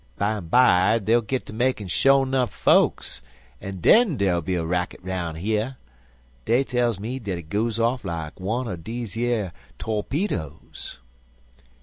Bimeby dey'll git ter makin' sho' nuff fokes, an' den dere'll be a racket 'roun' here. Dey tells me dat it goes off like one er deze yer torpedoes."